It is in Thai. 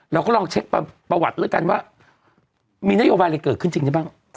เราก็ลองเช็คประวัติแล้วกันว่ามีนโยบายอะไรเกิดขึ้นจริงได้บ้าง